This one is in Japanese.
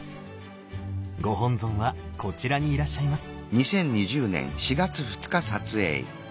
ご本尊はこちらにいらっしゃいます。